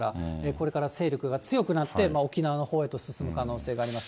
これから勢力が強くなって、沖縄のほうへと進む可能性があります。